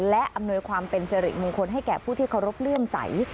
และอำนวยความเป็นสิริมงคลให้แก่ผู้ที่เคารพเลื่อมใส